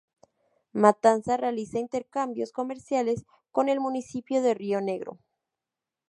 Matanza realiza intercambios comerciales con el municipio de Río Negro.